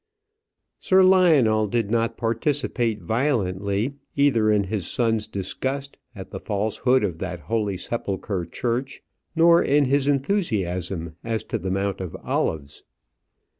Sir Lionel did not participate violently either in his son's disgust at the falsehood of that holy sepulchre church, nor in his enthusiasm as to the Mount of Olives.